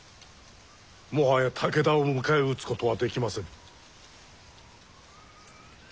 もはや武田を迎え撃つことはできませぬ。